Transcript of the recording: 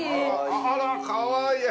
あらかわいい。